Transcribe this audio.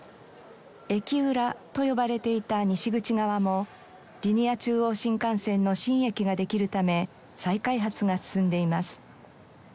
「駅裏」と呼ばれていた西口側もリニア中央新幹線の新駅ができるため再開発が進んでいます。